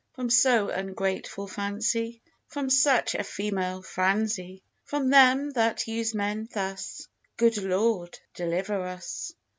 From so ungrateful fancy, From such a female franzy, From them that use men thus, Good Lord, deliver us!